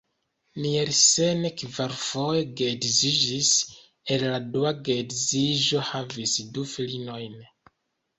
Nielsen kvarfoje geedziĝis, el la dua geedziĝo havis du filinojn.